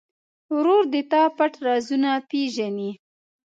ورور د تا پټ رازونه پېژني.